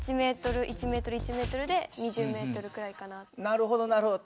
なるほどなるほど。